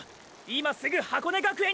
今すぐ箱根学園に並べ！！